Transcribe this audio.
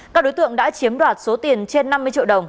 các đối tượng đã chiếm đoạt số tiền trên năm mươi triệu đồng